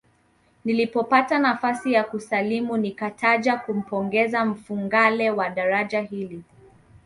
Nilipopata nafasi ya kusalimu nikataja tumpongeze Mfugale kwa daraja hili